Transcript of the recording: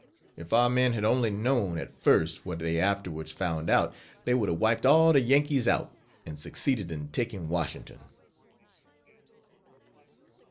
If our men had only known, at first, what they afterwards found out, they would have wiped all the Yankees out, and succeeded in taking Washington.